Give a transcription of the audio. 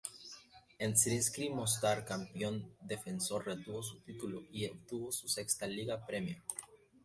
El Zrinjski Mostar campeón defensor retuvo su título y obtuvo su sexta Liga Premier.